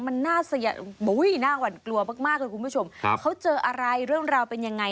มันน่าหวั่นกลัวมากคุณผู้ชมเขาเจออะไรเรื่องราวเป็นยังไงนะคะ